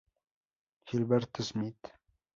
Gilberto Smith